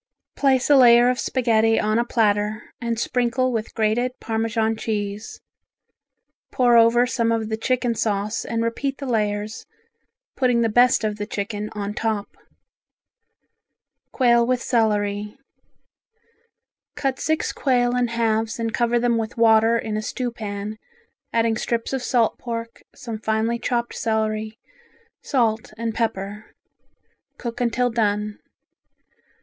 Place a layer of spaghetti on a platter and sprinkle with grated Parmesan cheese, pour over some of the chicken sauce and repeat the layers, putting the best of the chicken on top. Quail with Celery Cut six quail in halves and cover them with water in a stewpan, adding strips of salt pork, some finely chopped celery, salt and pepper. Cook until done.